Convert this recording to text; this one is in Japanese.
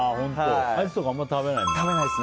アイスとかあんまり食べないんだ。